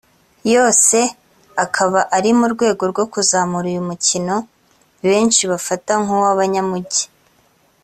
yose akaba ari mu rwego rwo kuzamura uyu mukino benshi bafata nk’uw’abanyamujyi